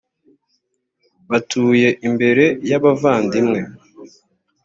batuye imbere y abavandimwe